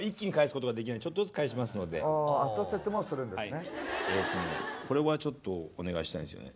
これはちょっとお願いしたいんですよね。